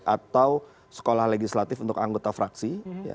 atau sekolah legislatif untuk anggota fraksi